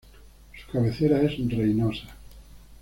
Su cabecera es Reynosa.